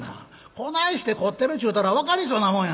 こないして凝ってるちゅうたら分かりそうなもんや。